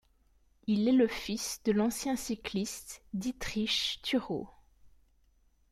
Il est le fils de l'ancien cycliste Dietrich Thurau.